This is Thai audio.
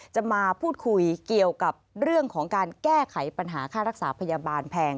จะมาพูดคุยเกี่ยวกับเรื่องของการแก้ไขปัญหาค่ารักษาพยาบาลแพง